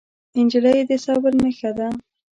نجلۍ د صبر نښه ده.